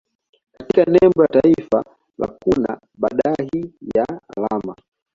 Katika nembo ya taifa la kuna badahi ya alama